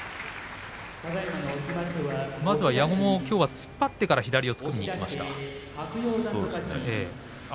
まず矢後もきょうは突っ張ってから組みにいきました。